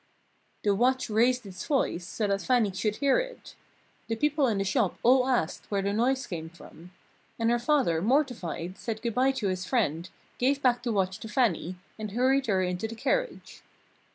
Toc!_" The watch raised its voice so that Fannie should hear it. The people in the shop all asked where the noise came from. And her father, mortified, said good bye to his friend, gave back the watch to Fannie, and hurried her into the carriage.